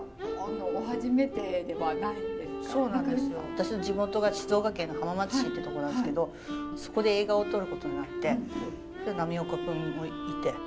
私の地元が静岡県の浜松市ってとこなんですけどそこで映画を撮ることになって波岡くんもいて。